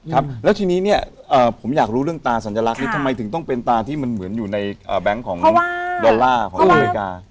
ครับแล้วทีนี้เนี่ยผมอยากรู้เรื่องตาสัญลักษณ์นี้ทำไมถึงต้องเป็นตาที่มันเหมือนอยู่ในแบงค์ของดอลลาร์ของอเมริกา